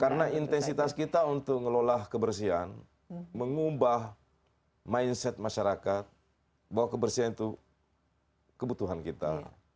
karena intensitas kita untuk ngelola kebersihan mengubah mindset masyarakat bahwa kebersihan itu kebutuhan kita